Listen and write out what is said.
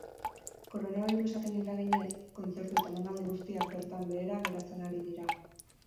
Koronabirusaren eraginez, kontzertu eta emanaldi guztiak bertan behera geratzen ari dira.